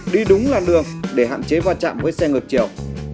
đi đúng làn đường để hạn chế va chạm với xe ngược chiều